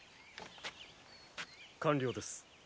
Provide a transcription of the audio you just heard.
完了です。